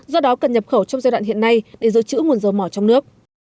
do đó cần nhập khẩu trong giai đoạn hiện nay để giữ chữ nguồn dầu mỏ trong nước